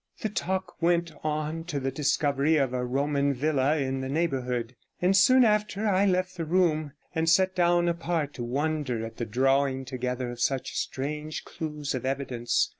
64 The talk went on to the discovery of a Roman villa in the neighbourhood; and soon after I left the room, and sat down apart to wonder at the drawing together of such strange clues of evidence.